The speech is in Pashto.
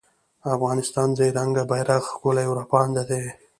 د افغانستان درې رنګه بېرغ ښکلی او رپاند دی